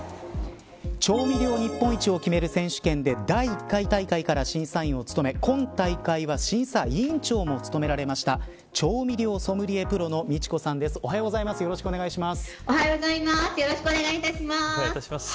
調味料日本一を決める選手権で第１回大会から審査員を務め今大会は審査委員長も務められました調味料ソムリエプロのＭＩＣＨＩＫＯさんです。